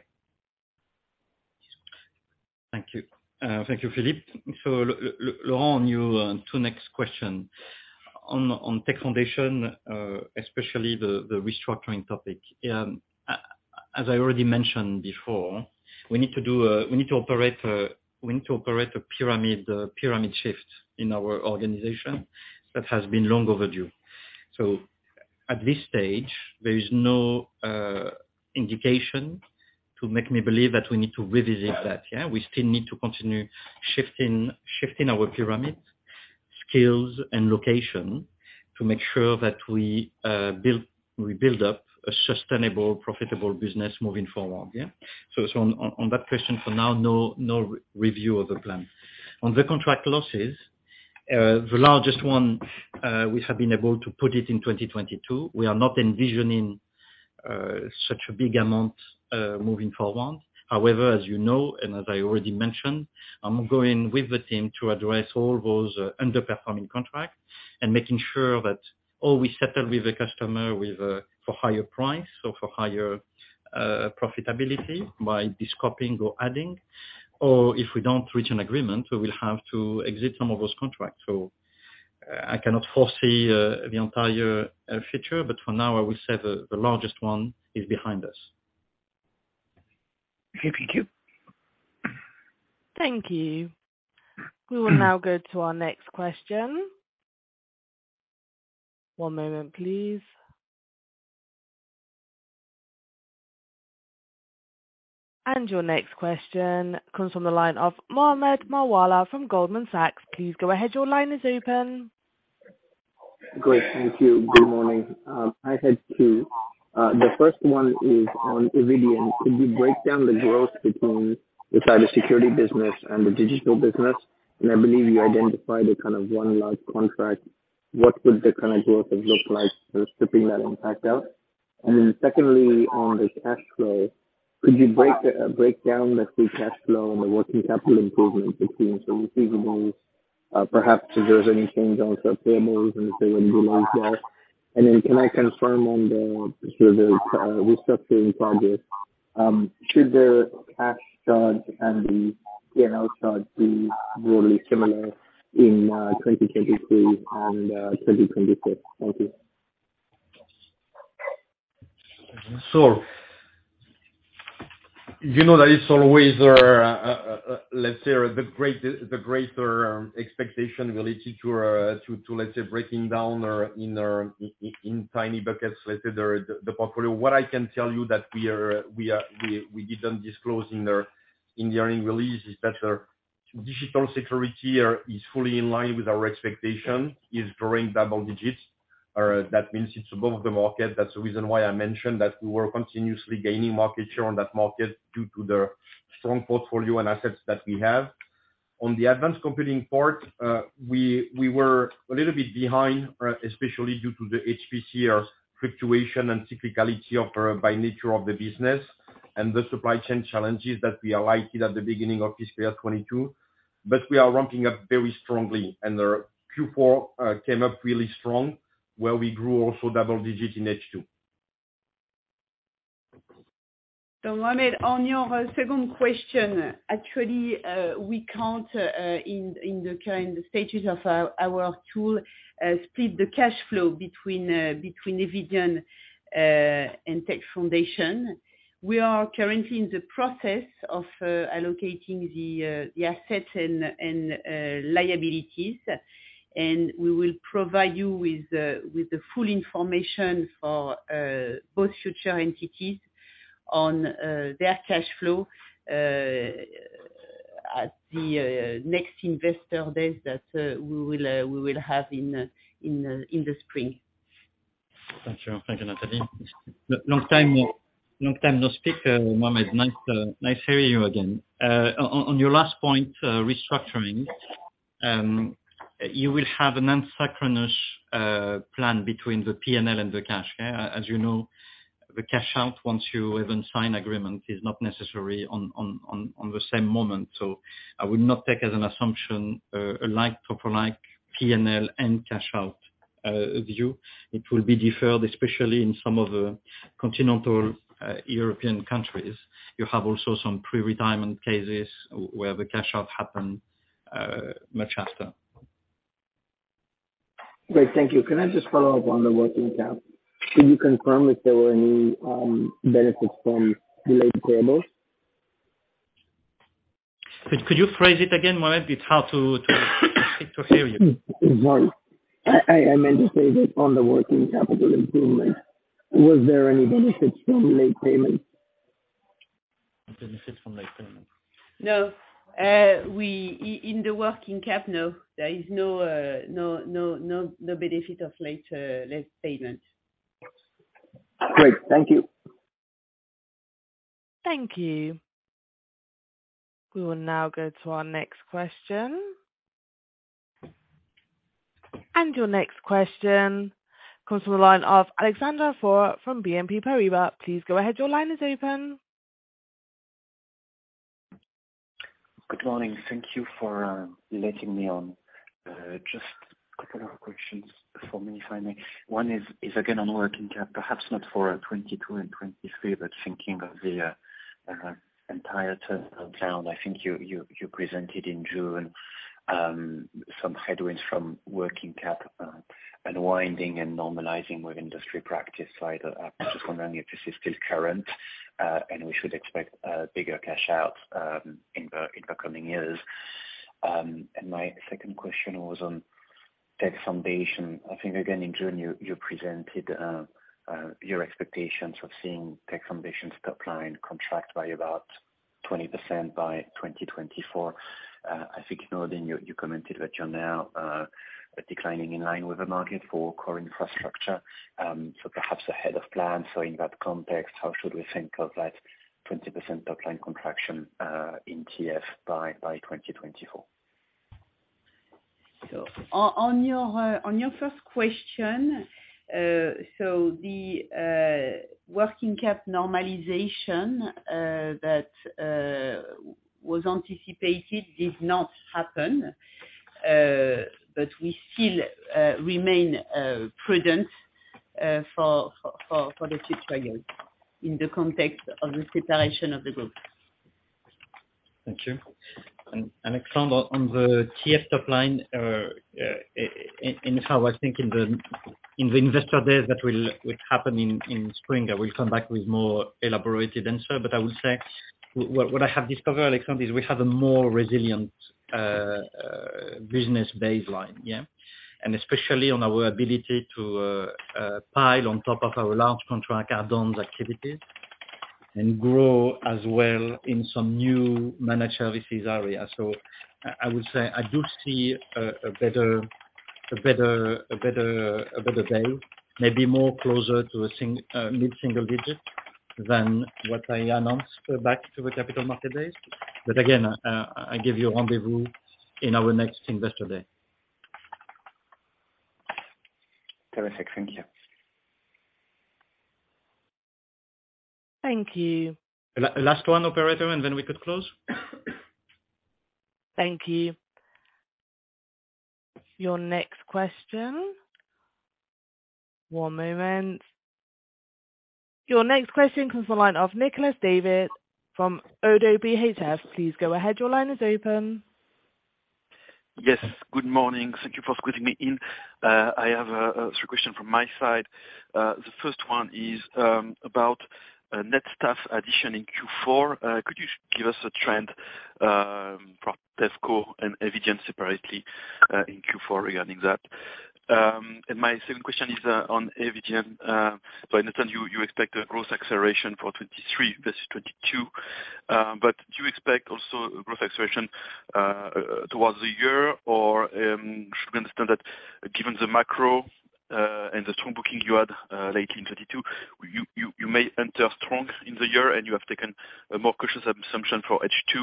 Thank you. Thank you, Philippe. Laurent, your two next question on Tech Foundations, especially the restructuring topic. As I already mentioned before, we need to operate a pyramid shift in our organization that has been long overdue. At this stage, there is no indication to make me believe that we need to revisit that. Yeah. We still need to continue shifting our pyramid skills and location to make sure that we build up a sustainable, profitable business moving forward. Yeah. On that question for now, no review of the plan. On the contract losses, the largest one, we have been able to put it in 2022. We are not envisioning such a big amount moving forward. As you know, and as I already mentioned, I'm going with the team to address all those underperforming contracts and making sure that or we settle with the customer with for higher price, so for higher profitability by descoping or adding, or if we don't reach an agreement, we will have to exit some of those contracts. I cannot foresee the entire future. For now, I will say the largest one is behind us. Okay. Thank you. Thank you. We will now go to our next question. One moment, please. Your next question comes from the line of Mohammed Moawalla from Goldman Sachs. Please go ahead. Your line is open. Great. Thank you. Good morning. I had two. The first one is on Eviden. Could you break down the growth between the cybersecurity business and the digital business? I believe you identified a kind of one large contract. What would the kind of growth have looked like sort of stripping that impact out? Secondly, on the cash flow, could you break down the free cash flow and the working capital improvement between some receivables, perhaps if there's any change on some payables and if there were delays there. Can I confirm on the sort of restructuring target, should the cash charge and the P&L charge be broadly similar in 2023 and 2024? Thank you. You know that it's always, let's say, the greater expectation related to, let's say, breaking down or in tiny buckets, let's say the portfolio. What I can tell you that we didn't disclose in the earning release is that Digital Security are, is fully in line with our expectation, is growing double digits. That means it's above the market. That's the reason why I mentioned that we were continuously gaining market share on that market due to the strong portfolio and assets that we have. On the advanced computing part, we were a little bit behind, especially due to the HPC or fluctuation and cyclicality of by nature of the business and the supply chain challenges that we highlighted at the beginning of fiscal year 2022. We are ramping up very strongly, and the Q4 came up really strong, where we grew also double-digit in H2. Mohammed, on your second question. Actually, we can't in the current status of our tool split the cash flow between Eviden and Tech Foundations. We are currently in the process of allocating the assets and liabilities. We will provide you with the full information for both future entities on their cash flow at the next investor days that we will have in the spring. Thank you. Thank you, Nathalie. Long time no speak, Mohammed. Nice hearing you again. On your last point, restructuring, you will have an asynchronous plan between the P&L and the cash. As you know, the cash out once you even sign agreement is not necessary on the same moment. I would not take as an assumption, a like to for like P&L and cash out view. It will be deferred, especially in some of the continental European countries. You have also some pre-retirement cases where the cash out happen much faster. Great. Thank you. Can I just follow up on the working cap? Can you confirm if there were any benefits from delayed payables? Could you phrase it again, Mohammed? It's hard to hear you. Sorry. I meant to say that on the working capital improvement, was there any benefits from late payments? Benefits from late payments. No. In the working cap, no. There is no benefit of late payments. Great. Thank you. Thank you. We will now go to our next question. Your next question comes from the line of Alexandre Faure from BNP Paribas. Please go ahead. Your line is open. Good morning. Thank you for letting me on. Just a couple of questions for me, if I may. One is again on working cap, perhaps not for 2022 and 2023, but thinking of the entire turnaround. I think you presented in June some headwinds from working cap unwinding and normalizing with industry practice side. I'm just wondering if this is still current and we should expect a bigger cash out in the coming years. My second question was on Tech Foundations. I think again, in June you presented your expectations of seeing Tech Foundations' pipeline contract by about 20% by 2024. I think, Nourdine, you commented that you're now declining in line with the market for core infrastructure, so perhaps ahead of plan. In that context, how should we think of that 20% pipeline contraction in TF by 2024? On your first question, the working cap normalization that was anticipated did not happen. We still remain prudent for the future years in the context of the separation of the group. Thank you. Alexandre, on the TF pipeline, in fact I think in the investor days that will happen in spring, I will come back with more elaborated answer. I would say what I have discovered, Alexandre, is we have a more resilient business baseline, yeah? Especially on our ability to pile on top of our large contract add-ons activities and grow as well in some new managed services areas. I would say I do see a better day, maybe more closer to mid-single digits than what I announced back to the Capital Markets days. Again, I give you rendezvous in our next investor day. Terrific. Thank you. Thank you. Last one, operator, and then we could close. Thank you. Your next question. One moment. Your next question comes from the line of Nicolas David from ODDO BHF. Please go ahead. Your line is open. Yes. Good morning. Thank you for squeezing me in. I have a question from my side. The first one is about net staff addition in Q4. Could you give us a trend from Techco and Eviden separately in Q4 regarding that? My second question is on Eviden. I understand you expect a growth acceleration for 2023 versus 2022. Do you expect also growth acceleration towards the year? Should we understand that given the macro and the strong booking you had late in 2022, you may enter strong in the year and you have taken a more cautious assumption for H2,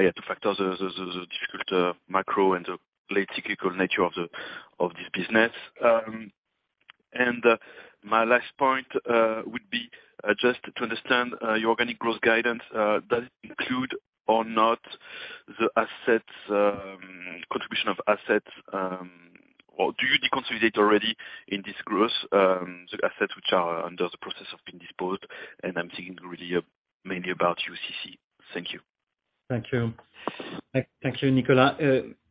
you had to factor the difficult macro and the late cyclical nature of this business. My last point would be just to understand your organic growth guidance. Does it include or not the assets, contribution of assets, or do you consolidate already in this growth the assets which are under the process of being disposed? I'm thinking really mainly about Unify. Thank you. Thank you. Thank you, Nicolas.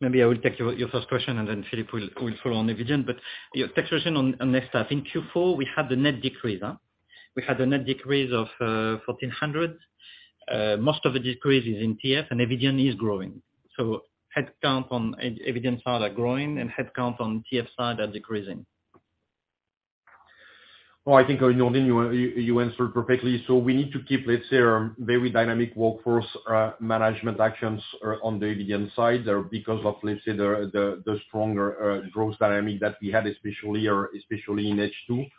Maybe I will take your first question, and then Philippe will follow on Eviden. Your first question on this, I think Q4 we had the net decrease, huh? We had the net decrease of 1,400. Most of the decrease is in TF and Eviden is growing. Headcount on Eviden side are growing, and headcount on TF side are decreasing. I think Nourdine, you answered perfectly. We need to keep very dynamic workforce management actions on the Eviden side because of the stronger growth dynamic that we had especially in H2.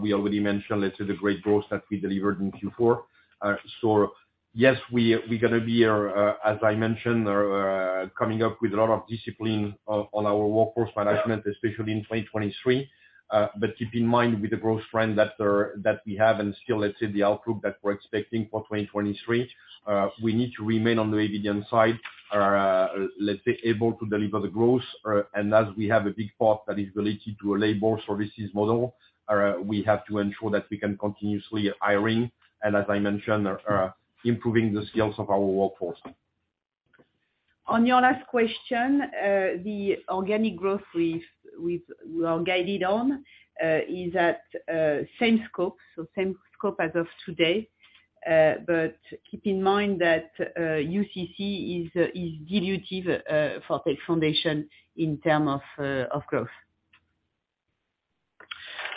We already mentioned the great growth that we delivered in Q4. Yes, we're gonna be as I mentioned, coming up with a lot of discipline on our workforce management, especially in 2023. Keep in mind with the growth trend that we have and still the outlook that we're expecting for 2023, we need to remain on the Eviden side able to deliver the growth. As we have a big part that is related to a labor services model, we have to ensure that we can continuously hiring and as I mentioned, improving the skills of our workforce. On your last question, the organic growth we are guided on, is at same scope, same scope as of today. Keep in mind that Unify is dilutive for Tech Foundations in term of growth.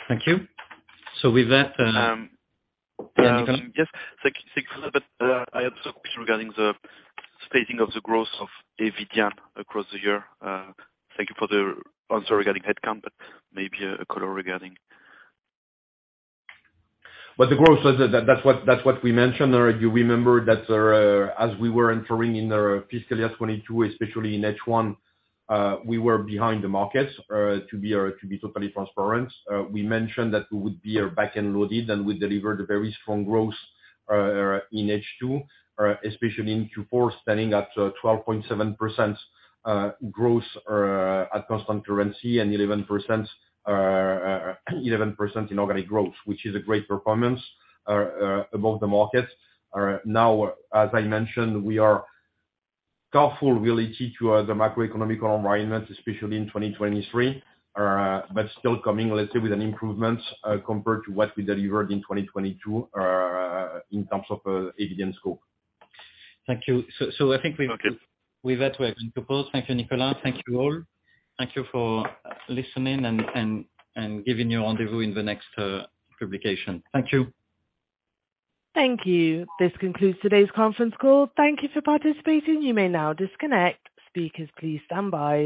Thank you. With that. Yes. Thank you. I have some question regarding the stating of the growth of Eviden across the year. Thank you for the answer regarding headcount, but maybe a color regarding... The growth was what we mentioned. You remember that as we were entering in fiscal year 2022, especially in H1, we were behind the markets, to be totally transparent. We mentioned that we would be back and loaded, and we delivered a very strong growth in H2, especially in Q4, standing at 12.7% growth at constant currency and 11% in organic growth, which is a great performance above the market. Now, as I mentioned, we are careful related to the macroeconomic environment, especially in 2023, but still coming, let's say, with an improvement compared to what we delivered in 2022, in terms of Eviden scope. Thank you. I think. Okay. With that, we have to close. Thank you, Nicolas. Thank you all. Thank you for listening and giving your rendezvous in the next publication. Thank you. Thank you. This concludes today's conference call. Thank you for participating. You may now disconnect. Speakers, please stand by.